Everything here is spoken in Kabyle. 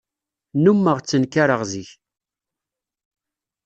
Nnummeɣ ttenkareɣ zik.